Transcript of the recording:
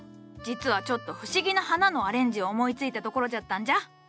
実はちょっと不思議な花のアレンジを思いついたところじゃったんじゃ。